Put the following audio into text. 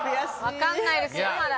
分かんないですよまだ。